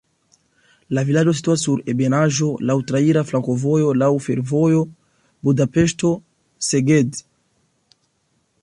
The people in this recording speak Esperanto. La vilaĝo situas sur ebenaĵo, laŭ traira flankovojo, laŭ fervojo Budapeŝto-Szeged.